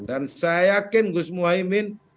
dan saya yakin gus muhyiddin